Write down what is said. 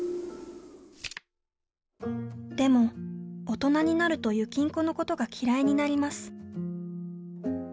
でも大人になるとゆきんこのことが嫌いになります」。